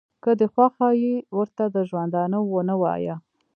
که دې خوښه ي ورته د ژوندانه ونه وایه.